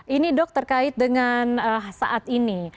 ini dok terkait dengan saat ini